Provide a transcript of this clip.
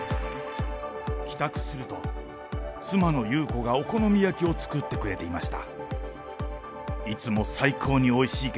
帰宅すると、妻の裕子がお好み焼きを作ってくれていました。